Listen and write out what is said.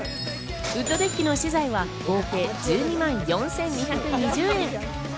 ウッドデッキの資材は合計１２万４２２０円。